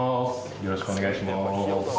よろしくお願いします。